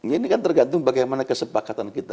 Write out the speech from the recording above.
ini kan tergantung bagaimana kesepakatan kita